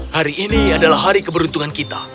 hari ini adalah hari keberuntungan kita